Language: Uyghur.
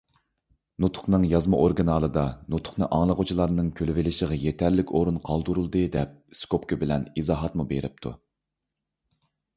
نۇتۇقنىڭ يازما ئورىگىنالىدا «نۇتۇقنى ئاڭلىغۇچىلارنىڭ كۈلۈۋېلىشىغا يېتەرلىك ئورۇن قالدۇرۇلدى» دەپ ئىسكوپكا بىلەن ئىزاھاتمۇ بېرىپتۇ.